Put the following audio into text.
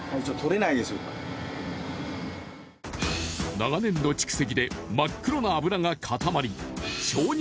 長年の蓄積で真っ黒な油が固まり鍾乳